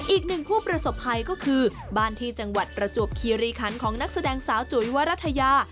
อีกหนึ่งผู้ประสบภัยก็คือบ้านที่จังหวัดประจวบคีรีคันของนักแสดงสาวจุ๋ยวรัฐยา